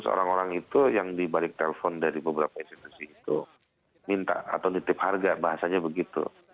orang orang itu yang dibalik telpon dari beberapa institusi itu minta atau nitip harga bahasanya begitu